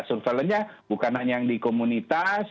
surveillance nya bukan hanya yang di komunitas